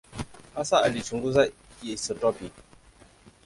Hasa alichunguza isotopi.